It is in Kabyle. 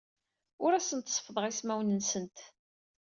Ur asent-seffḍeɣ ismawen-nsent.